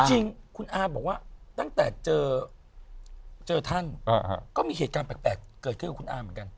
จริงคุณอาบอกว่าตั้งแต่เจอท่านก็มีเหตุการณ์แปลกเกิดขึ้นกับคุณอาเหมือนกัน